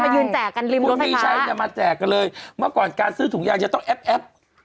มึงมีชายจะมาแจกกันเลยเมื่อก่อนการซื้อถุงยางจะต้องแอ๊บ